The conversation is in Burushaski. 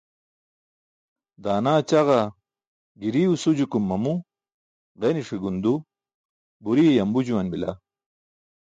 Daana ćaġa giriw sujukum mamu, ġeniśe gundu, buriye yambu juwan bila.